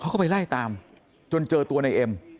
เขาก็ไปไล่ตามจนเจอตัวในเอ็ม